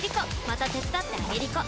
また手伝ってあげりこ！